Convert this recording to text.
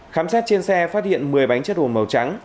khám xét trên xe phát hiện một mươi bánh chất hồ màu trắng